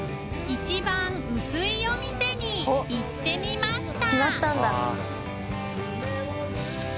祕貳薄いお店に行ってみました